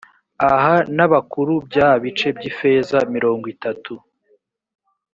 aha n’abakuru bya bice by’ifeza mirongo itatu